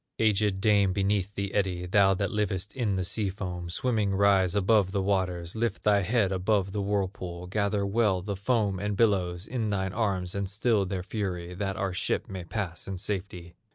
Aged dame beneath the eddy, Thou that livest in the sea foam, Swimming, rise above the waters, Lift thy head above the whirlpool, Gather well the foam and billows In thine arms and still their fury, That our ship may pass in safety!